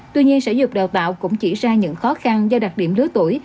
tuy nhiên sở dục đào tạo cũng chỉ ra những khó khăn do đặc điểm lứa tuổi